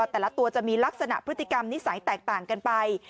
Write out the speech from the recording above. แต่ละตัวจะมีลักษณะพฤติกรรมนิสัยแตกต่างกันไป